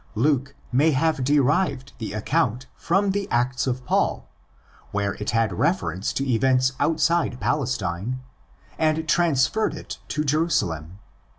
Luke may have derived the account from the Acts of Paul, where it had reference to events outside Palestine, and transferred it to Jerusalem.